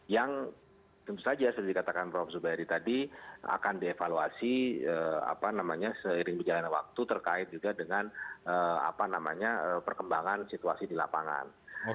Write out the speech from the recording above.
yang tentu saja seperti dikatakan prof zubairi tadi akan dievaluasi seiring berjalannya waktu terkait juga dengan perkembangan situasi di lapangan